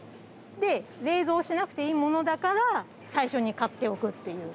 で冷蔵しなくていいものだから最初に買っておくっていう。